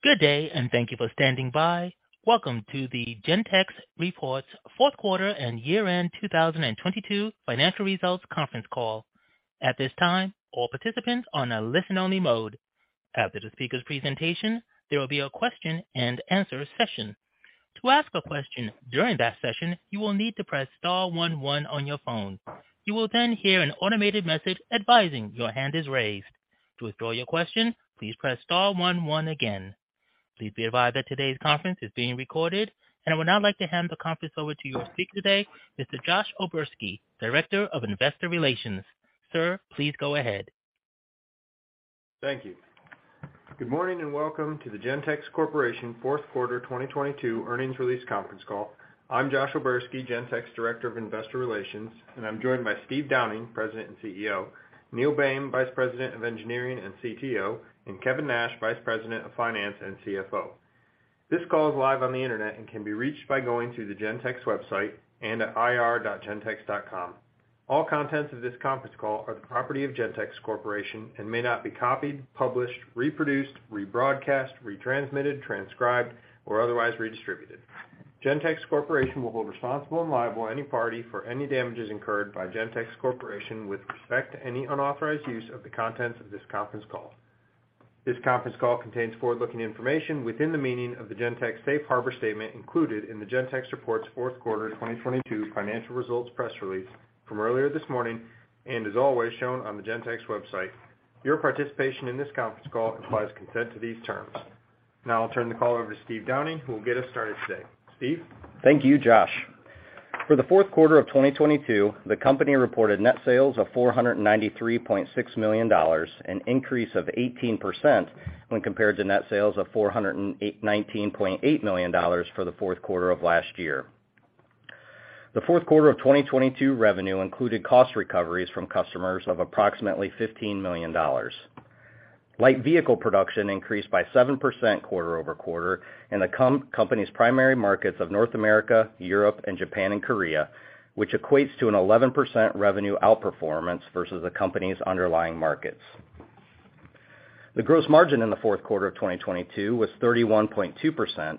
Good day, and thank you for standing by. Welcome to the Gentex Reports Q4 and year-end 2022 financial results conference call. At this time, all participants are on a listen-only mode. After the speaker's presentation, there will be a question-and-answer session. To ask a question during that session, you will need to press star one one on your phone. You will then hear an automated message advising your hand is raised. To withdraw your question, please press star one one again. Please be advised that today's conference is being recorded. I would now like to hand the conference over to your speaker today, Mr. Josh O'Berski, Director of Investor Relations. Sir, please go ahead. Thank you. Good morning, welcome to the Gentex Corporation Q4 2022 earnings release conference call. I'm Josh O'Berski, Gentex, Director of Investor Relations, and I'm joined by Steve Downing, President and CEO, Neil Boehm, Vice President of Engineering and CTO, and Kevin Nash, Vice President of Finance and CFO. This call is live on the Internet and can be reached by going to the Gentex website and at ir.gentex.com. All contents of this conference call are the property of Gentex Corporation and may not be copied, published, reproduced, rebroadcast, retransmitted, transcribed, or otherwise redistributed. Gentex Corporation will hold responsible and liable any party for any damages incurred by Gentex Corporation with respect to any unauthorized use of the contents of this conference call. This conference call contains forward-looking information within the meaning of the Gentex safe harbor statement included in the Gentex Reports Q4 of 2022 financial results press release from earlier this morning and as always, shown on the Gentex website. Your participation in this conference call implies consent to these terms. Now I'll turn the call over to Steve Downing, who will get us started today. Steve? Thank you, Josh. For the fourth quarter of 2022, the company reported net sales of $493.6 million, an increase of 18% when compared to net sales of $419.8 million for the Q4 of last year. The Q4 of 2022 revenue included cost recoveries from customers of approximately $15 million. Light vehicle production increased by 7% quarter-over-quarter in the company's primary markets of North America, Europe, and Japan and Korea, which equates to an 11% revenue outperformance versus the company's underlying markets. The gross margin in the Q4 of 2022 was 31.2%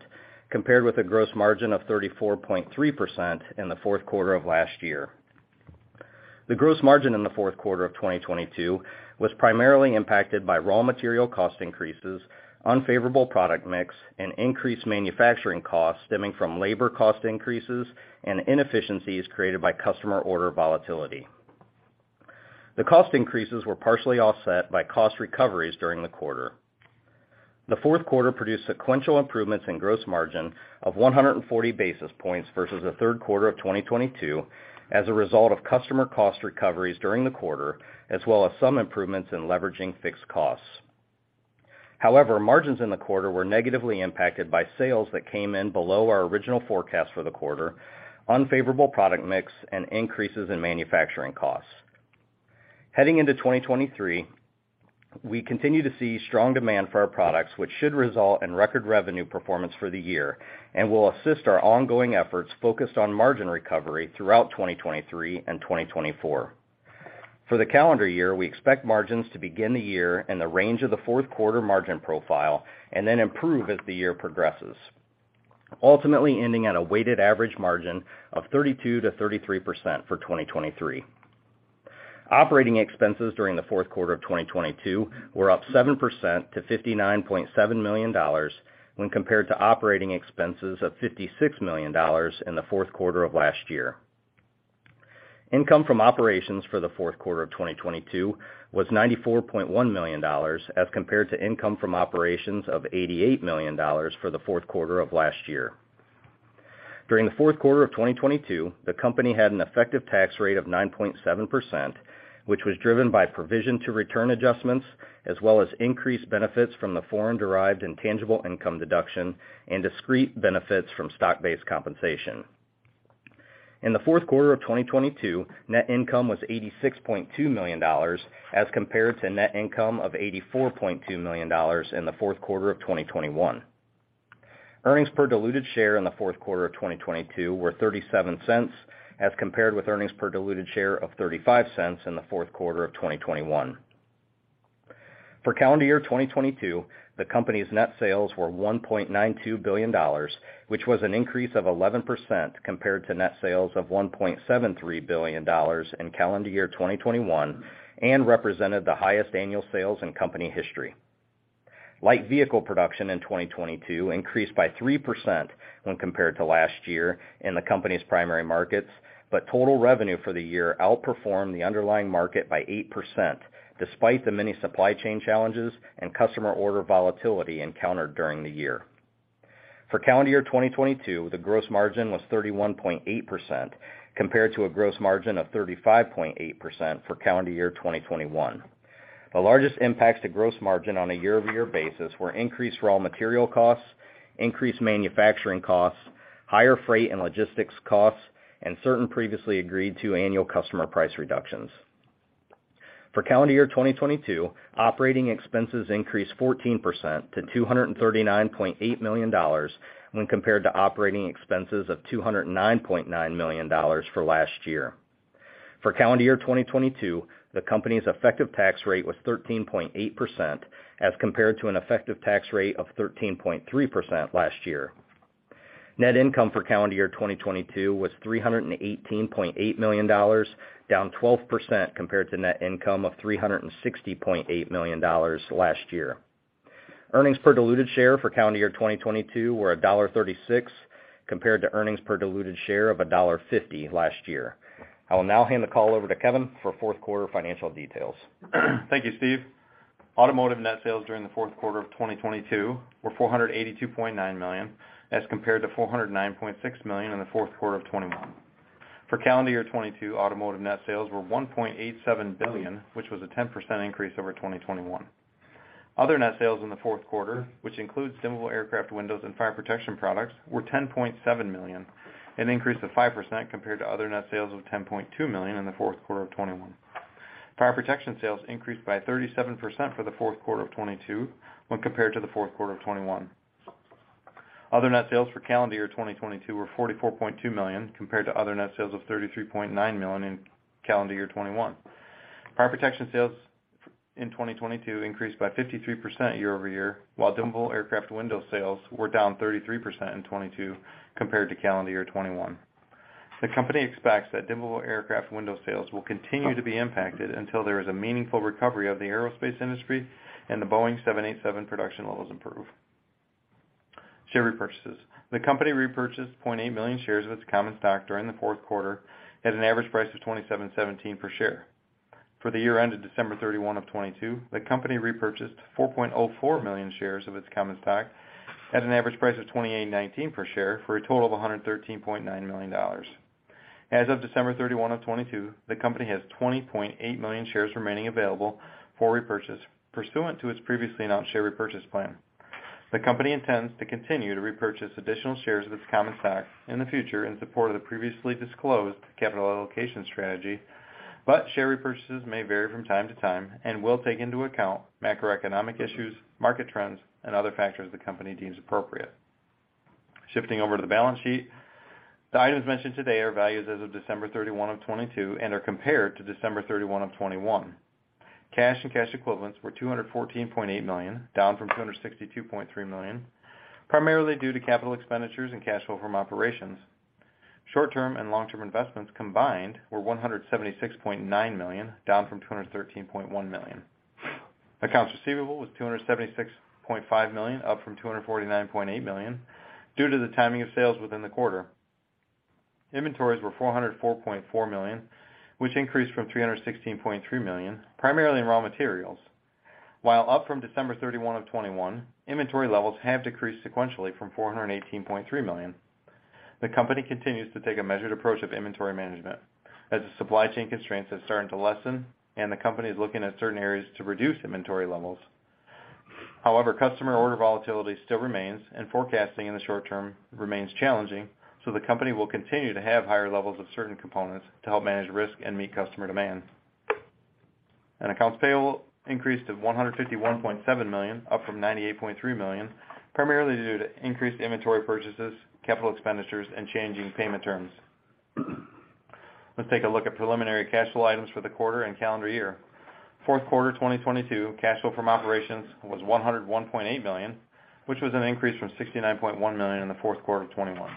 compared with a gross margin of 34.3% in the Q4 of last year. The gross margin in the fourth quarter of 2022 was primarily impacted by raw material cost increases, unfavorable product mix, and increased manufacturing costs stemming from labor cost increases and inefficiencies created by customer order volatility. The cost increases were partially offset by cost recoveries during the quarter. The Q4 produced sequential improvements in gross margin of 140 basis points versus the third quarter of 2022 as a result of customer cost recoveries during the quarter, as well as some improvements in leveraging fixed costs. Margins in the quarter were negatively impacted by sales that came in below our original forecast for the quarter, unfavorable product mix, and increases in manufacturing costs. Heading into 2023, we continue to see strong demand for our products, which should result in record revenue performance for the year and will assist our ongoing efforts focused on margin recovery throughout 2023 and 2024. For the calendar year, we expect margins to begin the year in the range of the Q4 margin profile and then improve as the year progresses, ultimately ending at a weighted average margin of 32%-33% for 2023. Operating expenses during the Q4 of 2022 were up 7% to $59.7 million when compared to operating expenses of $56 million in the Q4 of last year. Income from operations for the Q4 of 2022 was $94.1 million, as compared to income from operations of $88 million for the Q4 of last year. During the fourth quarter of 2022, the company had an effective tax rate of 9.7%, which was driven by provision to return adjustments as well as increased benefits from the foreign-derived intangible income deduction and discrete benefits from stock-based compensation. In the Q4 of 2022, net income was $86.2 million, as compared to net income of $84.2 million in the Q4 of 2021. Earnings per diluted share in the fourth quarter of 2022 were $0.37 as compared with earnings per diluted share of $0.35 in the Q4 of 2021. For calendar year 2022, the company's net sales were $1.92 billion, which was an increase of 11% compared to net sales of $1.73 billion in calendar year 2021 and represented the highest annual sales in company history. Light vehicle production in 2022 increased by 3% when compared to last year in the company's primary markets, but total revenue for the year outperformed the underlying market by 8% despite the many supply chain challenges and customer order volatility encountered during the year. For calendar year 2022, the gross margin was 31.8% compared to a gross margin of 35.8% for calendar year 2021. The largest impacts to gross margin on a year-over-year basis were increased raw material costs, increased manufacturing costs, higher freight and logistics costs, and certain previously agreed to annual customer price reductions. For calendar year 2022, operating expenses increased 14% to $239.8 million when compared to operating expenses of $209.9 million for last year. For calendar year 2022, the company's effective tax rate was 13.8%, as compared to an effective tax rate of 13.3% last year. Net income for calendar year 2022 was $318.8 million, down 12% compared to net income of $360.8 million last year. Earnings per diluted share for calendar year 2022 were $1.36, compared to earnings per diluted share of $1.50 last year. I will now hand the call over to Kevin for Q4 financial details. Thank you, Steve. Automotive net sales during the Q4 of 2022 were $482.9 million, as compared to $409.6 million in the Q4 of 2021. For calendar year 2022, automotive net sales were $1.87 billion, which was a 10% increase over 2021. Other net sales in the Q4, which includes dimmable aircraft windows and fire protection products, were $10.7 million, an increase of 5% compared to other net sales of $10.2 million in the Q4 of 2021. Fire protection sales increased by 37% for the fourth quarter of 2022 when compared to the Q4 of 2021. Other net sales for calendar year 2022 were $44.2 million, compared to other net sales of $33.9 million in calendar year 2021. Fire protection sales in 2022 increased by 53% year-over-year, while dimmable aircraft window sales were down 33% in 2022 compared to calendar year 2021. The company expects that dimmable aircraft window sales will continue to be impacted until there is a meaningful recovery of the aerospace industry and the Boeing 787 production levels improve. Share repurchases. The company repurchased 0.8 million shares of its common stock during the Q4 at an average price of $27.17 per share. For the year ended December 31 of 2022, the company repurchased 4.04 million shares of its common stock at an average price of $28.19 per share for a total of $113.9 million. As of December 31 of 2022, the company has 20.8 million shares remaining available for repurchase pursuant to its previously announced share repurchase plan. The company intends to continue to repurchase additional shares of its common stock in the future in support of the previously disclosed capital allocation strategy, but share repurchases may vary from time to time and will take into account macroeconomic issues, market trends, and other factors the company deems appropriate. Shifting over to the balance sheet. The items mentioned today are values as of December 31 of 2022 and are compared to December 31 of 2021. Cash and cash equivalents were $214.8 million, down from $262.3 million, primarily due to capital expenditures and cash flow from operations. Short-term and long-term investments combined were $176.9 million, down from $213.1 million. Accounts receivable was $276.5 million, up from $249.8 million due to the timing of sales within the quarter. Inventories were $404.4 million, which increased from $316.3 million, primarily in raw materials. Up from December 31, 2021, inventory levels have decreased sequentially from $418.3 million. The company continues to take a measured approach of inventory management as the supply chain constraints have started to lessen and the company is looking at certain areas to reduce inventory levels. However, customer order volatility still remains and forecasting in the short term remains challenging, so the company will continue to have higher levels of certain components to help manage risk and meet customer demands. Accounts payable increased to $151.7 million, up from $98.3 million, primarily due to increased inventory purchases, capital expenditures, and changing payment terms. Let's take a look at preliminary cash flow items for the quarter and calendar year. Q4 2022 cash flow from operations was $101.8 million, which was an increase from $69.1 million in the fourth quarter of 2021.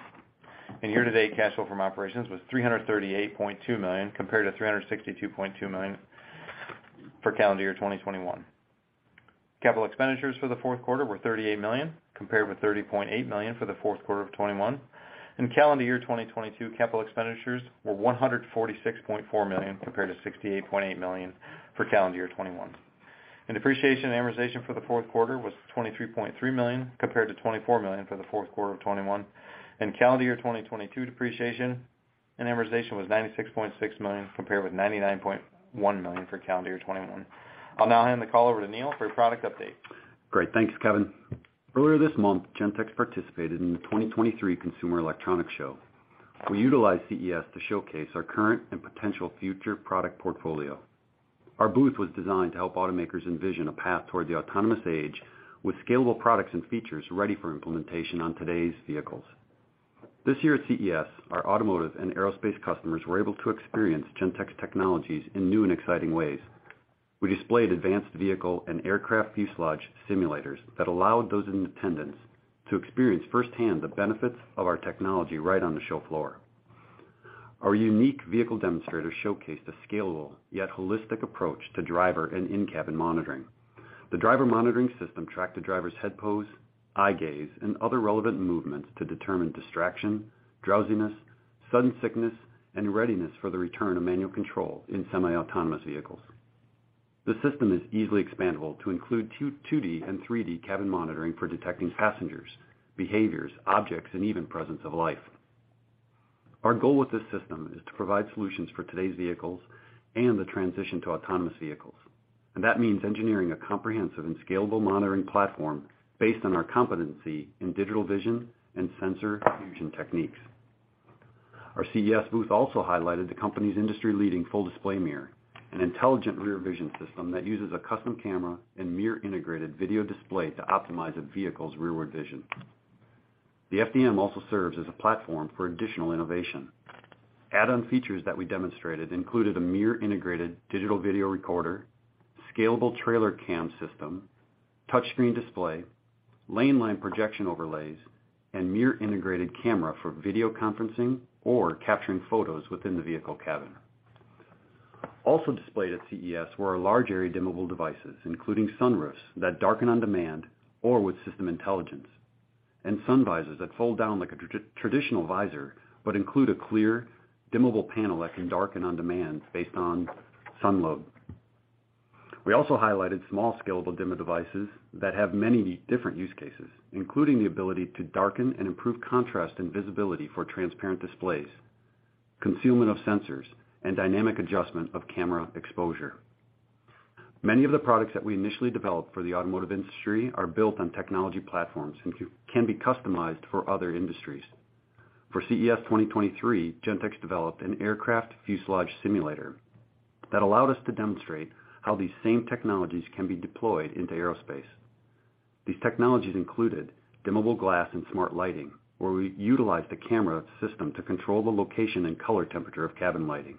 In year-to-date, cash flow from operations was $338.2 million compared to $362.2 million for calendar year 2021. Capital expenditures for the Q4 were $38 million, compared with $30.8 million for the Q4 of 2021. In calendar year 2022, capital expenditures were $146.4 million compared to $68.8 million for calendar year 2021. Depreciation and amortization for the Q4 was $23.3 million compared to $24 million for the Q4 of 2021. In calendar year 2022, depreciation and amortization was $96.6 million compared with $99.1 million for calendar year 2021. I'll now hand the call over to Neil Boehm for a product update. Great. Thanks, Kevin. Earlier this month, Gentex participated in the 2023 Consumer Electronics Show. We utilized CES to showcase our current and potential future product portfolio. Our booth was designed to help automakers envision a path toward the autonomous age with scalable products and features ready for implementation on today's vehicles. This year at CES, our automotive and aerospace customers were able to experience Gentex technologies in new and exciting ways. We displayed advanced vehicle and aircraft fuselage simulators that allowed those in attendance to experience firsthand the benefits of our technology right on the show floor. Our unique vehicle demonstrator showcased a scalable yet holistic approach to driver and in-cabin monitoring. The driver monitoring system tracked the driver's head pose, eye gaze, and other relevant movements to determine distraction, drowsiness, sudden sickness, and readiness for the return of manual control in semi-autonomous vehicles. The system is easily expandable to include 2D and 3D cabin monitoring for detecting passengers, behaviors, objects, and even presence of life. Our goal with this system is to provide solutions for today's vehicles and the transition to autonomous vehicles. That means engineering a comprehensive and scalable monitoring platform based on our competency in digital vision and sensor fusion techniques. Our CES booth also highlighted the company's industry-leading Full Display Mirror, an intelligent rear vision system that uses a custom camera and mirror-integrated video display to optimize a vehicle's rearward vision. The FDM also serves as a platform for additional innovation. Add-on features that we demonstrated included a mirror integrated Digital Video Recorder, scalable trailer cam system, touchscreen display, lane line projection overlays, and mirror integrated camera for video conferencing or capturing photos within the vehicle cabin. Also displayed at CES were our large-area dimmable devices, including sunroofs that darken on demand or with system intelligence, and sun visors that fold down like a traditional visor, but include a clear dimmable panel that can darken on demand based on sun load. We also highlighted small scalable dimmer devices that have many different use cases, including the ability to darken and improve contrast and visibility for transparent displays, concealment of sensors, and dynamic adjustment of camera exposure. Many of the products that we initially developed for the automotive industry are built on technology platforms and can be customized for other industries. For CES 2023, Gentex developed an aircraft fuselage simulator that allowed us to demonstrate how these same technologies can be deployed into aerospace. These technologies included dimmable glass and smart lighting, where we utilized the camera system to control the location and color temperature of cabin lighting.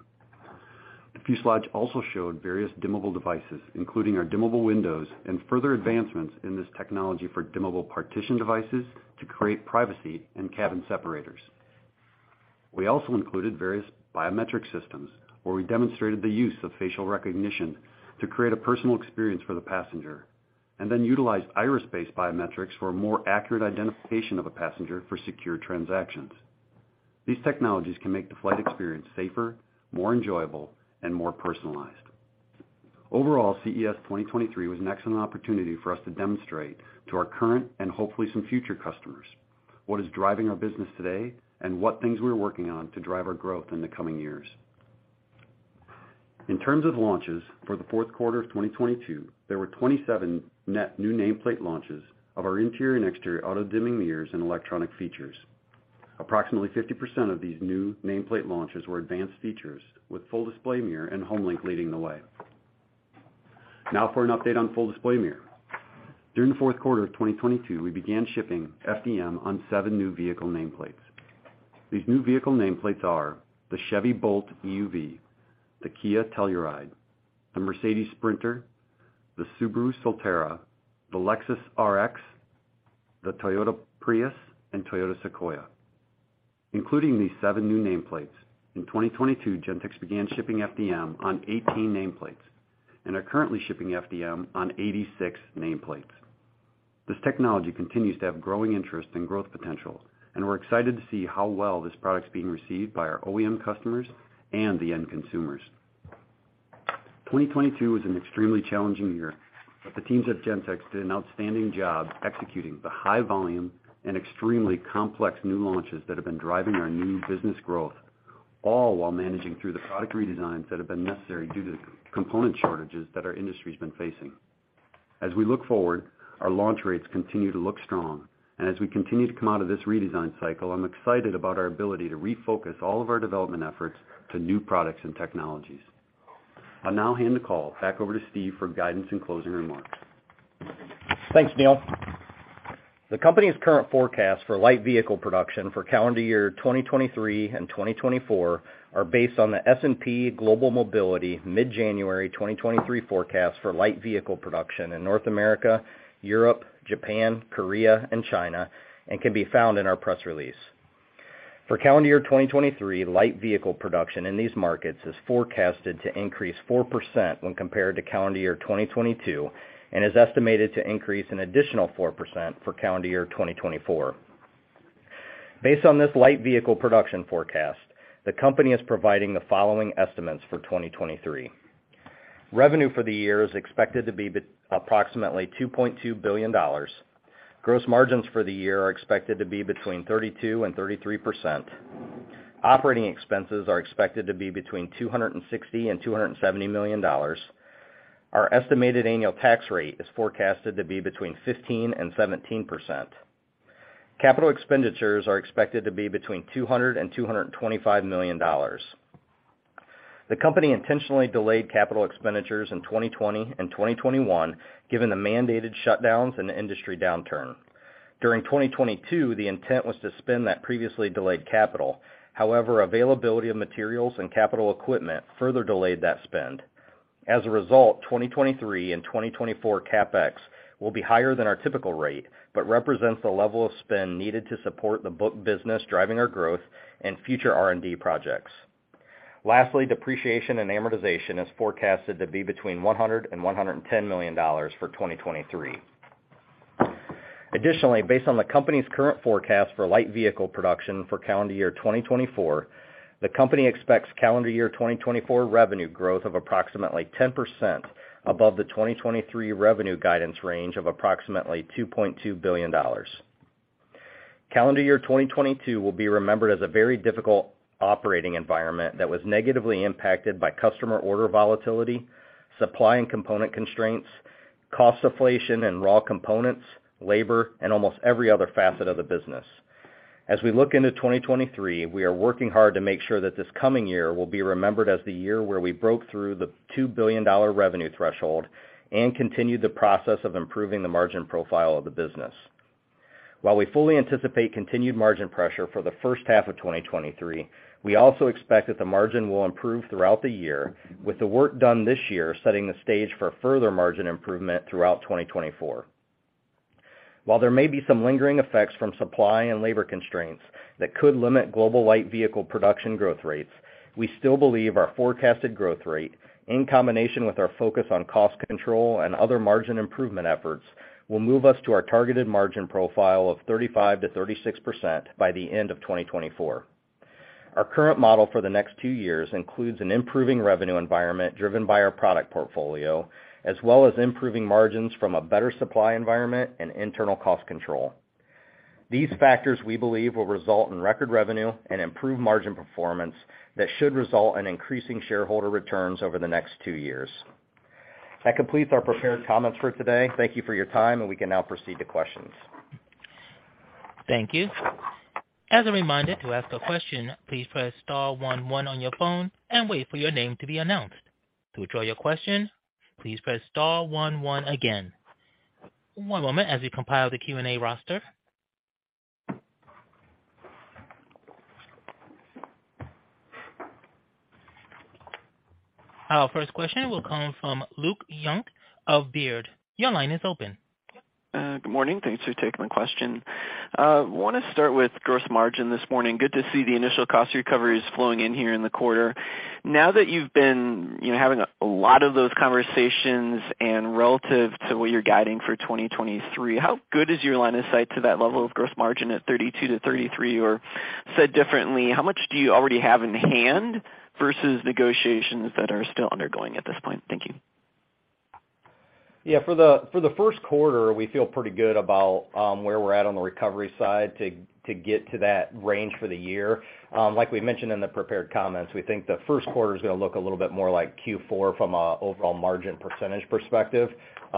The fuselage also showed various dimmable devices, including our dimmable windows and further advancements in this technology for dimmable partition devices to create privacy and cabin separators. We also included various biometric systems where we demonstrated the use of facial recognition to create a personal experience for the passenger, and then utilized iris-based biometrics for a more accurate identification of a passenger for secure transactions. These technologies can make the flight experience safer, more enjoyable, and more personalized. CES 2023 was an excellent opportunity for us to demonstrate to our current and hopefully some future customers what is driving our business today and what things we're working on to drive our growth in the coming years. In terms of launches for the fourth quarter of 2022, there were 27 net new nameplate launches of our interior and exterior auto-dimming mirrors and electronic features. Approximately 50% of these new nameplate launches were advanced features with Full Display Mirror and HomeLink leading the way. For an update on Full Display Mirror. During the Q4 of 2022, we began shipping FDM on 7 new vehicle nameplates. These new vehicle nameplates are the Chevy Bolt EUV, the Kia Telluride, the Mercedes Sprinter, the Subaru Solterra, the Lexus RX, the Toyota Prius, and Toyota Sequoia. Including these seven new nameplates, in 2022, Gentex began shipping FDM on 18 nameplates and are currently shipping FDM on 86 nameplates. This technology continues to have growing interest and growth potential. We're excited to see how well this product's being received by our OEM customers and the end consumers. 2022 was an extremely challenging year. The teams at Gentex did an outstanding job executing the high volume and extremely complex new launches that have been driving our new business growth, all while managing through the product redesigns that have been necessary due to component shortages that our industry's been facing. As we look forward, our launch rates continue to look strong. As we continue to come out of this redesign cycle, I'm excited about our ability to refocus all of our development efforts to new products and technologies. I'll now hand the call back over to Steve for guidance and closing remarks. Thanks, Neil. The company's current forecast for light vehicle production for calendar year 2023 and 2024 are based on the S&P Global Mobility mid-January 2023 forecast for light vehicle production in North America, Europe, Japan, Korea, and China, and can be found in our press release. For calendar year 2023, light vehicle production in these markets is forecasted to increase 4% when compared to calendar year 2022, and is estimated to increase an additional 4% for calendar year 2024. Based on this light vehicle production forecast, the company is providing the following estimates for 2023. Revenue for the year is expected to be approximately $2.2 billion. Gross margins for the year are expected to be between 32% and 33%. Operating expenses are expected to be between $260 million and $270 million. Our estimated annual tax rate is forecasted to be between 15% and 17%. Capital expenditures are expected to be between $200 million and $225 million. The company intentionally delayed capital expenditures in 2020 and 2021, given the mandated shutdowns and the industry downturn. During 2022, the intent was to spend that previously delayed capital. Availability of materials and capital equipment further delayed that spend. 2023 and 2024 CapEx will be higher than our typical rate, but represents the level of spend needed to support the book business driving our growth and future R&D projects. Depreciation and amortization is forecasted to be between $100 million and $110 million for 2023. Additionally, based on the company's current forecast for light vehicle production for calendar year 2024, the company expects calendar year 2024 revenue growth of approximately 10% above the 2023 revenue guidance range of approximately $2.2 billion. Calendar year 2022 will be remembered as a very difficult operating environment that was negatively impacted by customer order volatility, supply and component constraints, cost inflation in raw components, labor, and almost every other facet of the business. As we look into 2023, we are working hard to make sure that this coming year will be remembered as the year where we broke through the $2 billion revenue threshold and continued the process of improving the margin profile of the business. While we fully anticipate continued margin pressure for the H1 of 2023, we also expect that the margin will improve throughout the year with the work done this year, setting the stage for further margin improvement throughout 2024. While there may be some lingering effects from supply and labor constraints that could limit global light vehicle production growth rates, we still believe our forecasted growth rate in combination with our focus on cost control and other margin improvement efforts will move us to our targeted margin profile of 35%-36% by the end of 2024. Our current model for the next two years includes an improving revenue environment driven by our product portfolio as well as improving margins from a better supply environment and internal cost control. These factors, we believe, will result in record revenue and improved margin performance that should result in increasing shareholder returns over the next two years. That completes our prepared comments for today. Thank you for your time, and we can now proceed to questions. Thank you. As a reminder, to ask a question, please press star one one on your phone and wait for your name to be announced. To withdraw your question, please press star one one again. One moment as we compile the Q&A roster. Our first question will come from Luke Junk of Baird. Your line is open. Good morning. Thanks for taking my question. Want to start with gross margin this morning. Good to see the initial cost recoveries flowing in here in the quarter. Now that you've been, you know, having a lot of those conversations and relative to what you're guiding for 2023, how good is your line of sight to that level of gross margin at 32%-33%? Said differently, how much do you already have in hand versus negotiations that are still undergoing at this point? Thank you. Yeah. For the, for the Q1, we feel pretty good about where we're at on the recovery side to get to that range for the year. Like we mentioned in the prepared comments, we think the first quarter is gonna look a little bit more like Q4 from a overall margin % perspective. A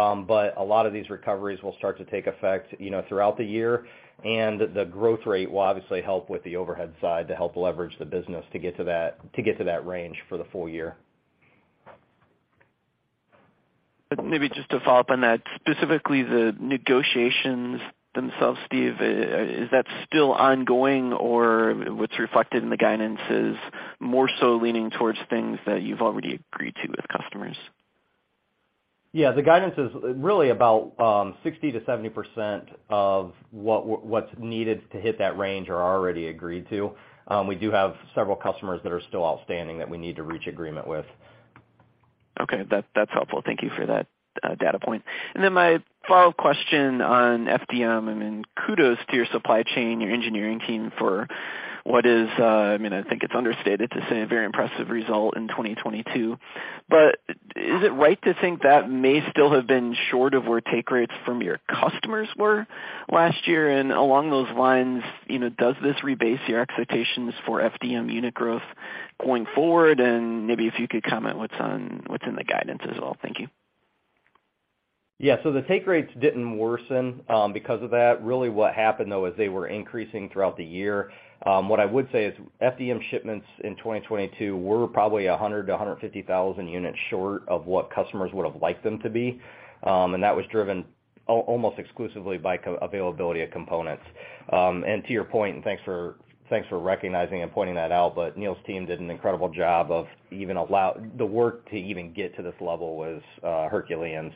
lot of these recoveries will start to take effect, you know, throughout the year, and the growth rate will obviously help with the overhead side to help leverage the business to get to that range for the full year. Maybe just to follow up on that, specifically the negotiations themselves, Steve, is that still ongoing or what's reflected in the guidance is more so leaning towards things that you've already agreed to with customers? Yeah. The guidance is really about, 60%-70% of what what's needed to hit that range are already agreed to. We do have several customers that are still outstanding that we need to reach agreement with. Okay. That's helpful. Thank you for that data point. My follow-up question on FDM, and then kudos to your supply chain, your engineering team for what is, I mean, I think it's understated to say a very impressive result in 2022. Is it right to think that may still have been short of where take rates from your customers were last year? Along those lines, you know, does this rebase your expectations for FDM unit growth going forward? Maybe if you could comment what's in the guidance as well. Thank you. The take rates didn't worsen because of that. Really what happened, though, is they were increasing throughout the year. What I would say is FDM shipments in 2022 were probably 100,000-150,000 units short of what customers would have liked them to be. And that was driven almost exclusively by availability of components. And to your point, and thanks for, thanks for recognizing and pointing that out, but Neil's team did an incredible job of even the work to even get to this level was Herculean.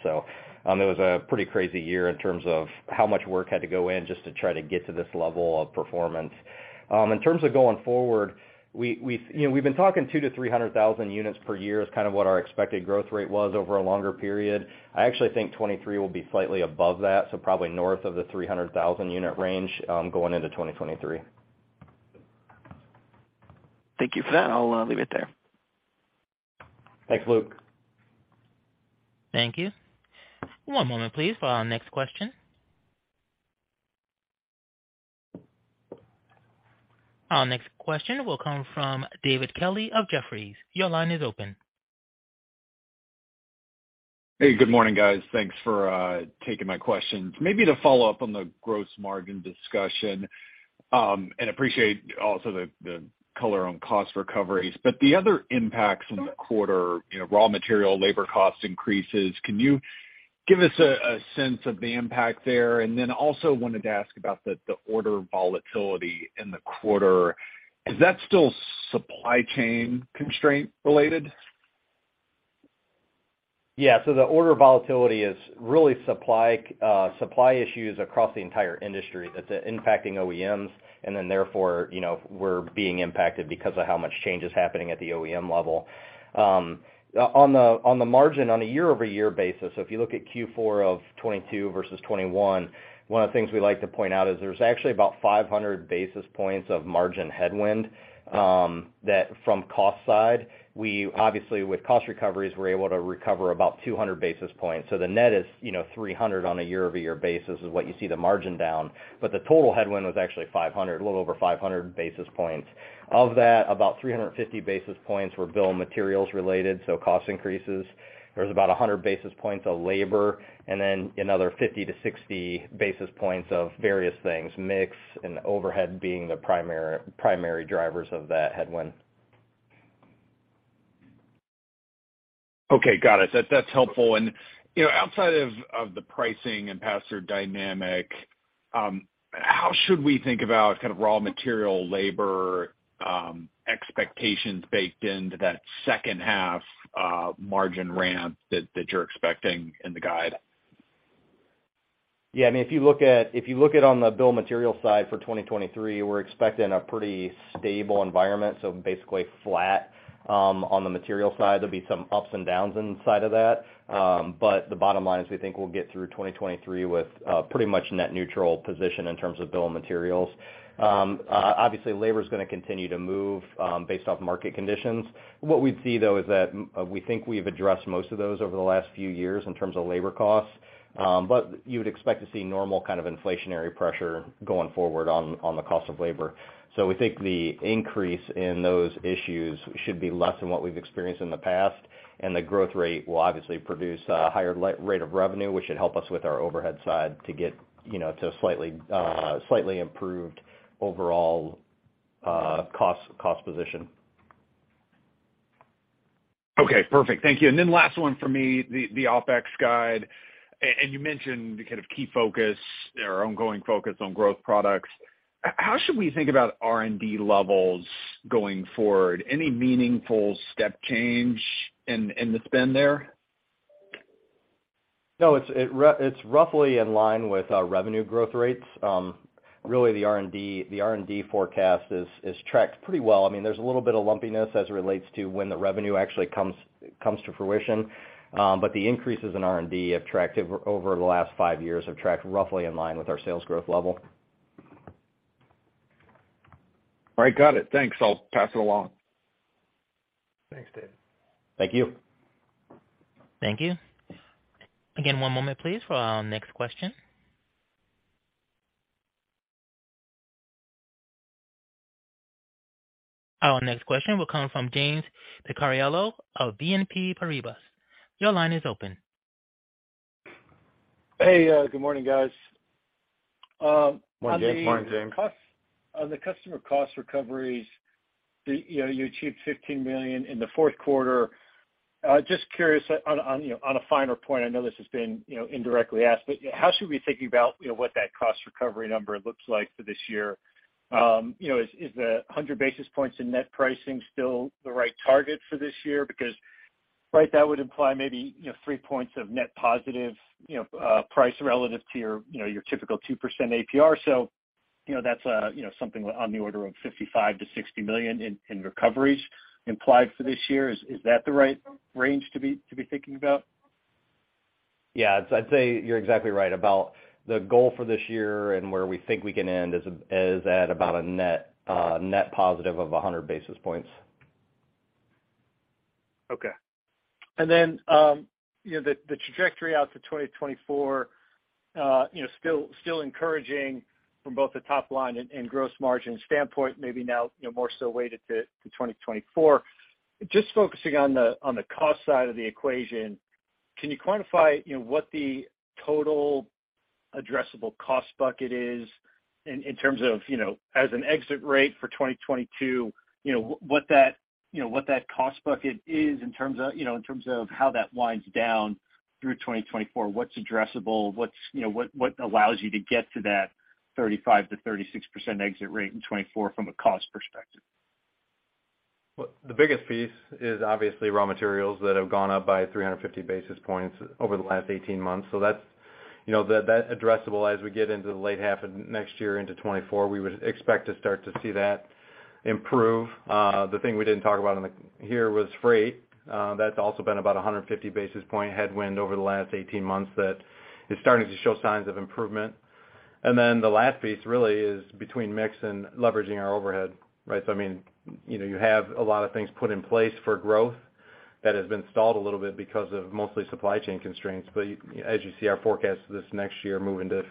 It was a pretty crazy year in terms of how much work had to go in just to try to get to this level of performance. In terms of going forward, we've, you know, been talking 200,000-300,000 units per year is kind of what our expected growth rate was over a longer period. I actually think 2023 will be slightly above that, so probably north of the 300,000 unit range, going into 2023. Thank you for that. I'll leave it there. Thanks, Luke. Thank you. One moment please for our next question. Our next question will come from David Kelley of Jefferies. Your line is open. Hey, good morning, guys. Thanks for taking my question. Maybe to follow up on the gross margin discussion, and appreciate also the color on cost recoveries. The other impacts in the quarter, you know, raw material, labor cost increases, can you give us a sense of the impact there? Then also wanted to ask about the order volatility in the quarter. Is that still supply chain constraint related? Yeah. The order volatility is really supply issues across the entire industry that's impacting OEMs, and then therefore, you know, we're being impacted because of how much change is happening at the OEM level. On the margin on a year-over-year basis, so if you look at Q4 of 2022 versus 2021, one of the things we like to point out is there's actually about 500 basis points of margin headwind that from cost side. We obviously, with cost recoveries, we're able to recover about 200 basis points. The net is, you know, 300 on a year-over-year basis is what you see the margin down. The total headwind was actually 500, a little over 500 basis points. Of that, about 350 basis points were bill of materials related, so cost increases. There was about 100 basis points of labor and then another 50 to 60 basis points of various things, mix and overhead being the primary drivers of that headwind. Okay. Got it. That's helpful. You know, outside of the pricing and pass-through dynamic, how should we think about kind of raw material labor, expectations baked into that second half, margin ramp that you're expecting in the guide? Yeah. I mean, if you look at on the bill of materials side for 2023, we're expecting a pretty stable environment, so basically flat on the material side. There'll be some ups and downs inside of that. The bottom line is we think we'll get through 2023 with a pretty much net neutral position in terms of bill of materials. Obviously, labor's gonna continue to move based off market conditions. What we'd see, though, is that we think we've addressed most of those over the last few years in terms of labor costs. You would expect to see normal kind of inflationary pressure going forward on the cost of labor. We think the increase in those issues should be less than what we've experienced in the past, and the growth rate will obviously produce a higher rate of revenue, which should help us with our overhead side to get, you know, to a slightly improved overall, cost position. Okay. Perfect. Thank you. Then last one for me, the OpEx guide. You mentioned the kind of key focus or ongoing focus on growth products. How should we think about R&D levels going forward? Any meaningful step change in the spend there? No. It's roughly in line with our revenue growth rates. Really the R&D forecast has tracked pretty well. I mean, there's a little bit of lumpiness as it relates to when the revenue actually comes to fruition. The increases in R&D have tracked over the last five years, have tracked roughly in line with our sales growth level. All right. Got it. Thanks. I'll pass it along. Thanks, David. Thank you. Thank you. One moment please for our next question. Our next question will come from James Picariello of BNP Paribas. Your line is open. Hey, good morning, guys. Morning, James. Morning, James. on the customer cost recoveries, the, you know, you achieved $15 million in the Q4. Just curious on, you know, on a finer point, I know this has been, you know, indirectly asked, but how should we be thinking about, you know, what that cost recovery number looks like for this year? You know, is the 100 basis points in net pricing still the right target for this year? Because, right, that would imply maybe, you know, three points of net positive, you know, price relative to your, you know, your typical 2% APR. You know, that's, you know, something on the order of $55 million-$60 million in recoveries implied for this year. Is that the right range to be thinking about? Yeah. I'd say you're exactly right about the goal for this year and where we think we can end is at about a net positive of 100 basis points. Okay. you know, the trajectory out to 2024, you know, still encouraging from both the top line and gross margin standpoint, maybe now, you know, more so weighted to 2024. Just focusing on the cost side of the equation, can you quantify, you know, what the total addressable cost bucket is in terms of, you know, as an exit rate for 2022, what that cost bucket is in terms of how that winds down through 2024? What's addressable? What allows you to get to that 35%-36% exit rate in 2024 from a cost perspective? The biggest piece is obviously raw materials that have gone up by 350 basis points over the last 18 months. That's, you know, that addressable as we get into the late half of next year into 2024, we would expect to start to see that improve. The thing we didn't talk about here was freight. That's also been about a 150 basis point headwind over the last 18 months that is starting to show signs of improvement. The last piece really is between mix and leveraging our overhead, right? I mean, you know, you have a lot of things put in place for growth that has been stalled a little bit because of mostly supply chain constraints. As you see our forecast this next year moving to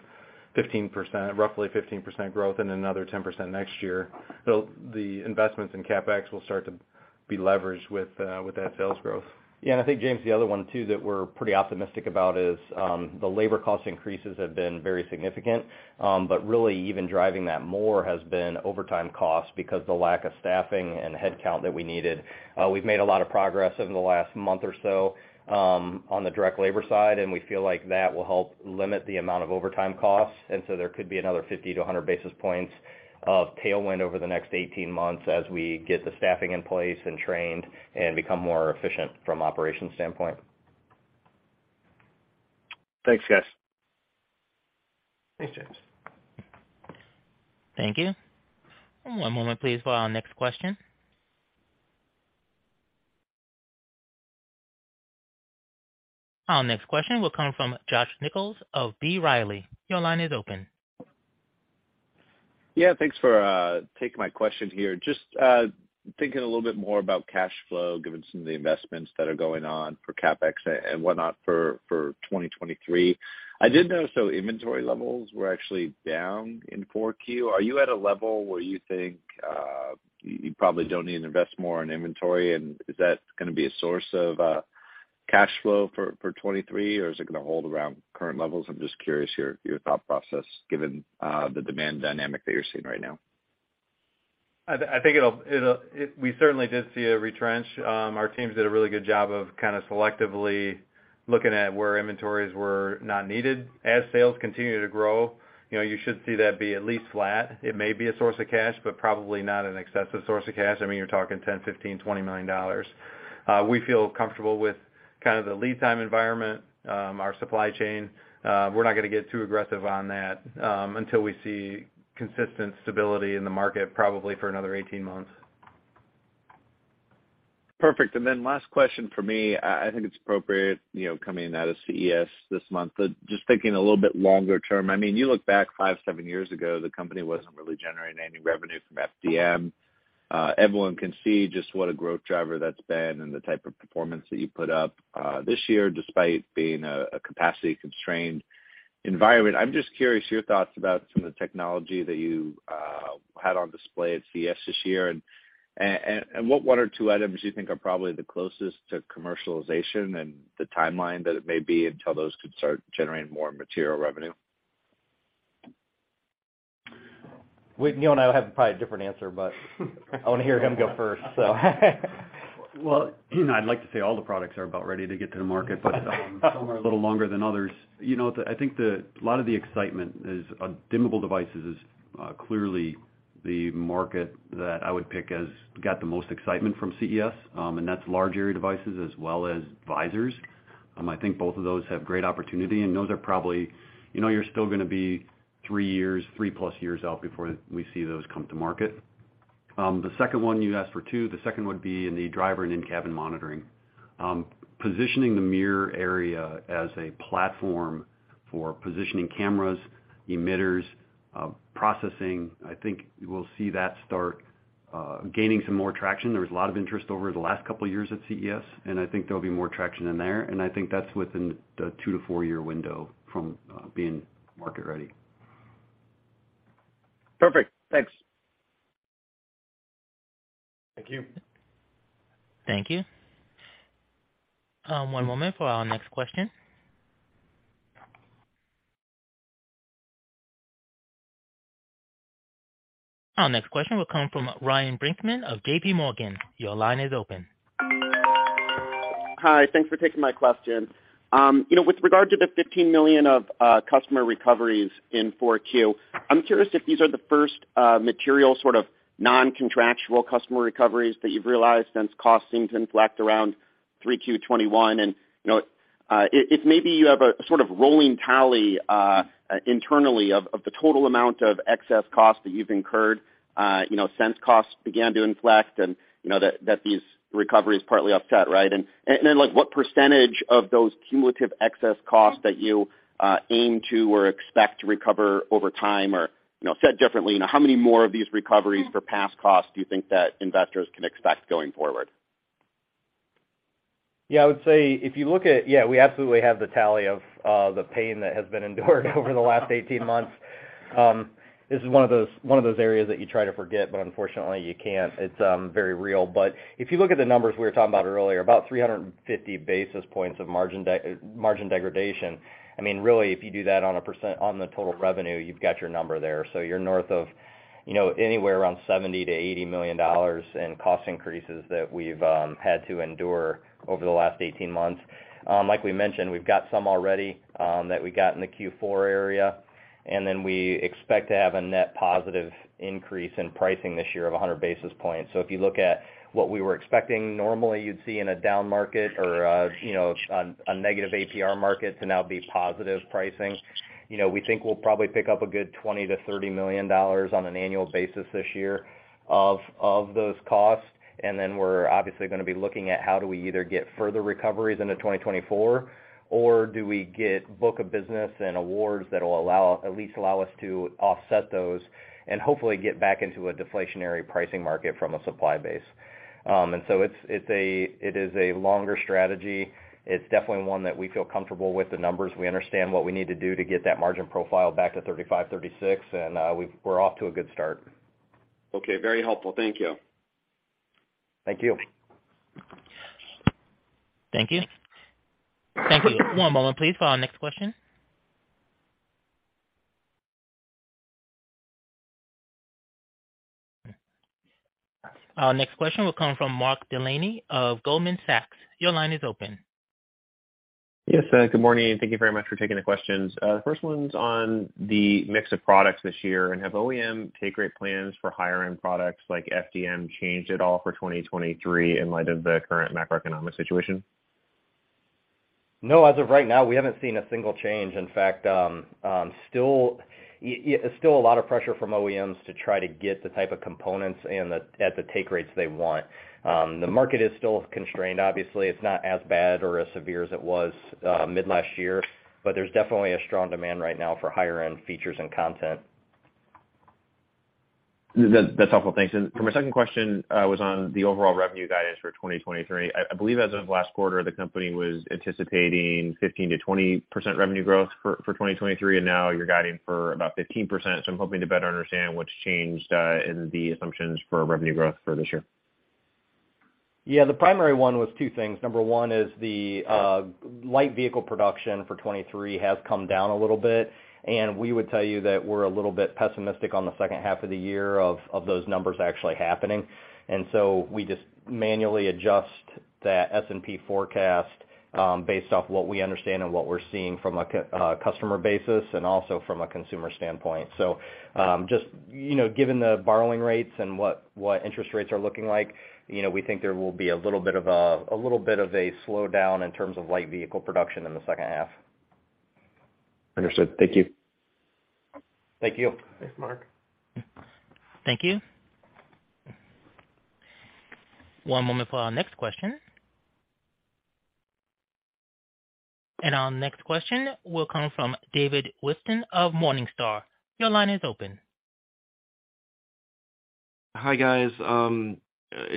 15%, roughly 15% growth and another 10% next year, the investments in CapEx will start to be leveraged with that sales growth. Yeah. I think, James, the other one too that we're pretty optimistic about is, the labor cost increases have been very significant. Really even driving that more has been overtime costs because the lack of staffing and headcount that we needed. We've made a lot of progress over the last month or so, on the direct labor side, and we feel like that will help limit the amount of overtime costs. There could be another 50 to 100 basis points of tailwind over the next 18 months as we get the staffing in place and trained and become more efficient from an operations standpoint. Thanks, guys. Thanks, James. Thank you. One moment please for our next question. Our next question will come from Josh Nichols of B. Riley. Your line is open. Thanks for taking my question here. Just thinking a little bit more about cash flow, given some of the investments that are going on for CapEx and whatnot for 2023. I did notice though inventory levels were actually down in Q4. Are you at a level where you think you probably don't need to invest more in inventory, and is that gonna be a source of cash flow for 2023 or is it gonna hold around current levels? I'm just curious your thought process given the demand dynamic that you're seeing right now. I think it'll... we certainly did see a retrench. Our teams did a really good job of kind of selectively looking at where inventories were not needed. As sales continue to grow, you know, you should see that be at least flat. It may be a source of cash, but probably not an excessive source of cash. I mean, you're talking $10 million, $15 million, $20 million. We feel comfortable with kind of the lead time environment, our supply chain. We're not gonna get too aggressive on that, until we see consistent stability in the market, probably for another 18 months. Perfect. Last question for me. I think it's appropriate, you know, coming out of CES this month, just thinking a little bit longer term. I mean, you look back five, seven years ago, the company wasn't really generating any revenue from FDM. Everyone can see just what a growth driver that's been and the type of performance that you put up this year despite being a capacity-constrained environment. I'm just curious your thoughts about some of the technology that you had on display at CES this year and what one or two items you think are probably the closest to commercialization and the timeline that it may be until those could start generating more material revenue. Wade, you and I will have probably a different answer, but I wanna hear him go first, so. Well, you know, I'd like to say all the products are about ready to get to the market, but some are a little longer than others. You know, I think a lot of the excitement is on dimmable devices is clearly the market that I would pick as got the most excitement from CES, and that's large-area devices as well as visors. I think both of those have great opportunity, and those are probably. You know, you're still gonna be 3 years, 3-plus years out before we see those come to market. The second one, you asked for two, the second would be in the driver and in-cabin monitoring. Positioning the mirror area as a platform for positioning cameras, emitters, processing, I think we'll see that start gaining some more traction. There was a lot of interest over the last couple of years at CES, and I think there'll be more traction in there. I think that's within the 2-4 year window from being market ready. Perfect. Thanks. Thank you. Thank you. one moment for our next question. Our next question will come from Ryan Brinkman of JP Morgan. Your line is open. Hi. Thanks for taking my question. You know, with regard to the $15 million of customer recoveries in 4Q, I'm curious if these are the first material sort of non-contractual customer recoveries that you've realized since costing's inflect around 3Q 2021. You know, if maybe you have a sort of rolling tally internally of the total amount of excess cost that you've incurred, you know, since costs began to inflect and, you know, that these recoveries partly offset, right? Like, what % of those cumulative excess costs that you aim to or expect to recover over time or, you know, said differently, you know, how many more of these recoveries for past costs do you think that investors can expect going forward? I would say if you look at... we absolutely have the tally of the pain that has been endured over the last 18 months. This is one of those areas that you try to forget, but unfortunately, you can't. It's very real. If you look at the numbers we were talking about earlier, about 350 basis points of margin degradation. I mean, really, if you do that on the total revenue, you've got your number there. You're north of, you know, anywhere around $70 million-$80 million in cost increases that we've had to endure over the last 18 months. Like we mentioned, we've got some already that we got in the Q4 area. Then we expect to have a net positive increase in pricing this year of 100 basis points. If you look at what we were expecting, normally you'd see in a down market or, you know, on a negative APR market to now be positive pricing. You know, we think we'll probably pick up a good $20 million-$30 million on an annual basis this year of those costs. Then we're obviously gonna be looking at how do we either get further recoveries into 2024 or do we get book of business and awards that will at least allow us to offset those and hopefully get back into a deflationary pricing market from a supply base. So it's, it is a longer strategy. It's definitely one that we feel comfortable with the numbers. We understand what we need to do to get that margin profile back to 35%, 36%, and we're off to a good start. Okay. Very helpful. Thank you. Thank you. Thank you. Thank you. One moment, please, for our next question. Our next question will come from Mark Delaney of Goldman Sachs. Your line is open. Yes. Good morning, and thank you very much for taking the questions. The first one's on the mix of products this year and have OEM take rate plans for higher end products like FDM changed at all for 2023 in light of the current macroeconomic situation? As of right now, we haven't seen a single change. Still a lot of pressure from OEMs to try to get the type of components at the take rates they want. The market is still constrained. Obviously, it's not as bad or as severe as it was mid last year, but there's definitely a strong demand right now for higher end features and content. That's helpful. Thanks. For my second question, was on the overall revenue guidance for 2023. I believe as of last quarter, the company was anticipating 15%-20% revenue growth for 2023, and now you're guiding for about 15%. I'm hoping to better understand what's changed in the assumptions for revenue growth for this year. Yeah, the primary one was two things. Number one is the light vehicle production for 2023 has come down a little bit, and we would tell you that we're a little bit pessimistic on the second half of the year of those numbers actually happening. We just manually adjust that S&P forecast based off what we understand and what we're seeing from a customer basis and also from a consumer standpoint. Just, you know, given the borrowing rates and what interest rates are looking like, you know, we think there will be a little bit of a slowdown in terms of light vehicle production in the second half. Understood. Thank you. Thank you. Thanks, Mark. Thank you. One moment for our next question. Our next question will come from David Whiston of Morningstar. Your line is open. Hi, guys.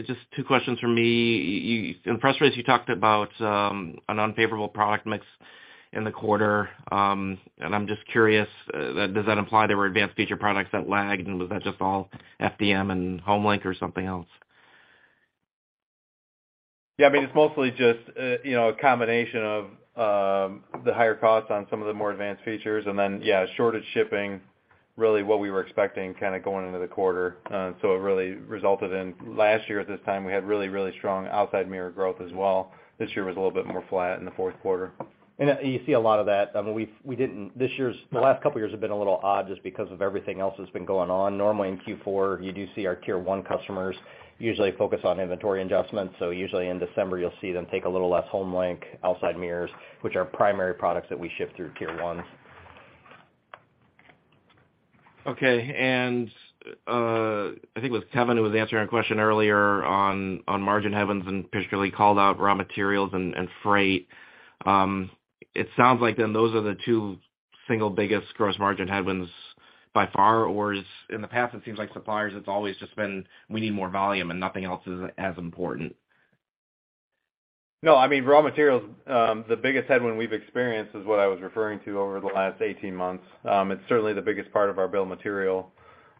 Just 2 questions from me. In the press release, you talked about an unfavorable product mix in the quarter. I'm just curious, does that imply there were advanced feature products that lagged, was that just all FDM and HomeLink or something else? I mean, it's mostly just, you know, a combination of the higher costs on some of the more advanced features and then, yeah, shortage shipping, really what we were expecting kind of going into the quarter. It really resulted in. Last year at this time, we had really strong outside mirror growth as well. This year was a little bit more flat in the fourth quarter. You see a lot of that. I mean, we didn't. This year's, the last couple of years have been a little odd just because of everything else that's been going on. Normally in Q4, you do see our Tier 1 customers usually focus on inventory adjustments. Usually in December, you'll see them take a little less HomeLink, outside mirrors, which are primary products that we ship through Tier 1. Okay. I think it was Kevin who was answering a question earlier on margin headwinds and particularly called out raw materials and freight. It sounds like then those are the two single biggest gross margin headwinds by far. In the past, it seems like suppliers, it's always just been, we need more volume and nothing else is as important. I mean, raw materials, the biggest headwind we've experienced is what I was referring to over the last 18 months. It's certainly the biggest part of our bill of materials.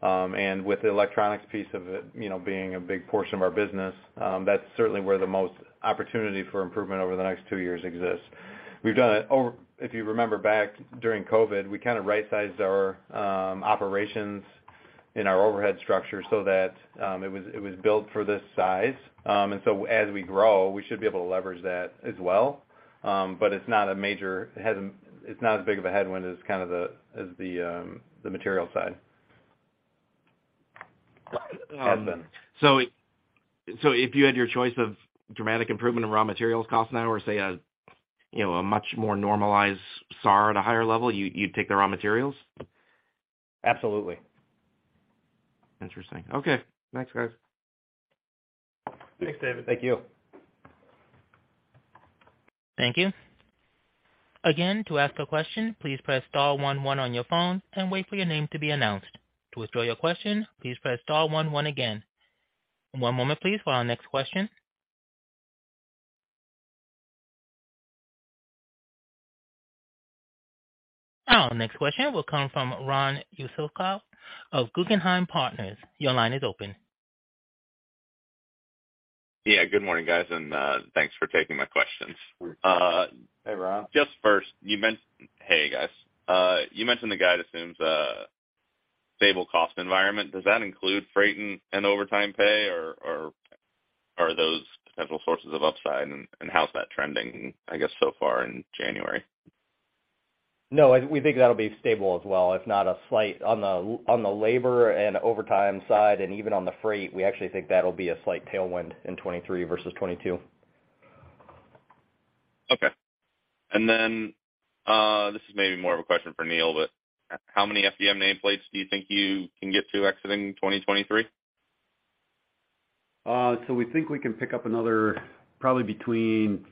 With the electronics piece of it, you know, being a big portion of our business, that's certainly where the most opportunity for improvement over the next two years exists. We've done it over. If you remember back during COVID, we kind of right-sized our operations in our overhead structure so that it was, it was built for this size. As we grow, we should be able to leverage that as well. It's not a major. It's not as big of a headwind as kind of the material side. If you had your choice of dramatic improvement in raw materials cost now or say a, you know, a much more normalized SAR at a higher level, you'd take the raw materials? Absolutely. Interesting. Okay. Thanks, guys. Thanks, David. Thank you. Thank you. Again, to ask a question, please press star one one on your phone and wait for your name to be announced. To withdraw your question, please press star one one again. One moment, please, for our next question. Our next question will come from Ron Jewsikow of Guggenheim Partners. Your line is open. Yeah, good morning, guys, and thanks for taking my questions. Hey, Ron. Hey, guys. You mentioned the guide assumes a stable cost environment. Does that include freight and overtime pay or are those potential sources of upside? How's that trending, I guess, so far in January? No, we think that'll be stable as well. On the labor and overtime side and even on the freight, we actually think that'll be a slight tailwind in 23 versus 22. Okay. This is maybe more of a question for Neil, but how many FDM nameplates do you think you can get to exiting 2023? We think we can pick up another probably between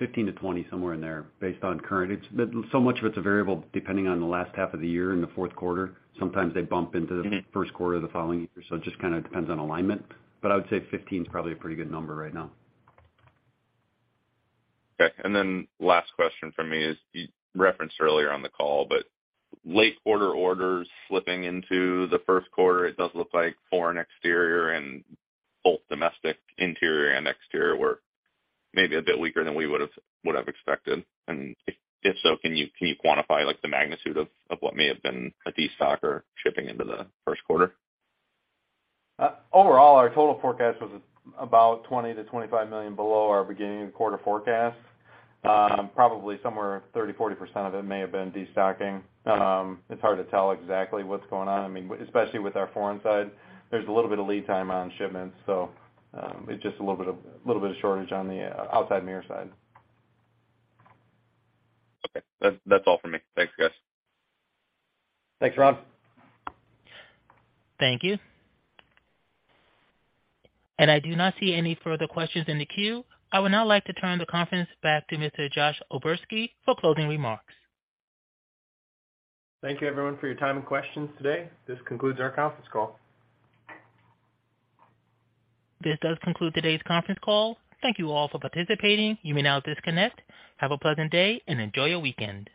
15-20, somewhere in there based on current. So much of it's a variable depending on the last half of the year in the fourth quarter. Sometimes they bump into the first quarter the following year, so it just kinda depends on alignment. I would say 15 is probably a pretty good number right now. Okay. Last question from me is, you referenced earlier on the call, but late quarter orders slipping into the first quarter, it does look like foreign exterior and both domestic interior and exterior were maybe a bit weaker than we would have expected. If so, can you quantify, like, the magnitude of what may have been a destocker shipping into the first quarter? Overall, our total forecast was about $20 million-$25 million below our beginning quarter forecast. Probably somewhere 30%, 40% of it may have been destocking. It's hard to tell exactly what's going on. I mean, especially with our foreign side, there's a little bit of lead time on shipments, so it's just a little bit of shortage on the outside mirror side. Okay. That's all for me. Thanks, guys. Thanks, Ron. Thank you. I do not see any further questions in the queue. I would now like to turn the conference back to Mr. Josh O'Berski for closing remarks. Thank you, everyone, for your time and questions today. This concludes our conference call. This does conclude today's conference call. Thank you all for participating. You may now disconnect. Have a pleasant day and enjoy your weekend.